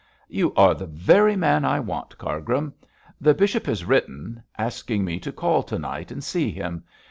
'You are the very man I want, Cargrim. The bishop has written asking me to call to night and see him.